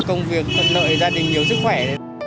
công việc thật lợi gia đình nhiều sức khỏe